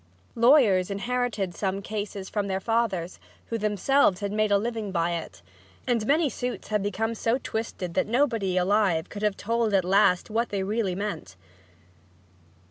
Lawyers inherited some cases from their fathers, who themselves had made a living by them, and many suits had become so twisted that nobody alive could have told at last what they really meant.